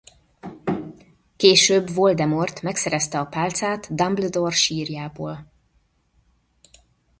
Később Voldemort megszerezte a pálcát Dumbledore sírjából.